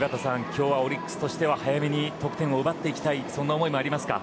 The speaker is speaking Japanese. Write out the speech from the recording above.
今日はオリックスとしては早めに得点を奪っていきたいという思いもありますか。